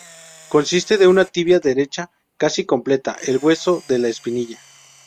Consiste de una tibia derecha casi completa, el hueso de la espinilla.